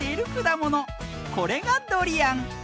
これがドリアン。